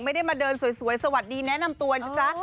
ไม่ได้มาเดินสวยสวัสดีแนะนำตัวนะจ๊ะ